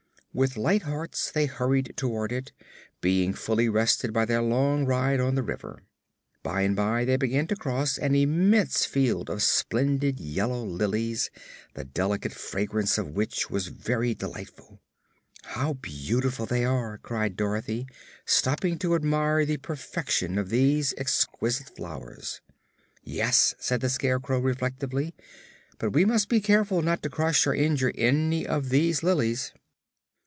With light hearts they hurried toward it, being fully rested by their long ride on the river. By and by they began to cross an immense field of splendid yellow lilies, the delicate fragrance of which was very delightful. "How beautiful they are!" cried Dorothy, stopping to admire the perfection of these exquisite flowers. "Yes," said the Scarecrow, reflectively, "but we must be careful not to crush or injure any of these lilies."